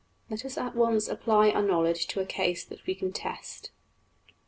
} Let us at once apply our knowledge to a case that we can test.